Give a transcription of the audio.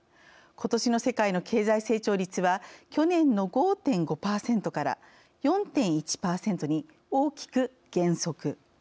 ことしの世界の経済成長率は去年の５．５％から４．１％に大きく減速。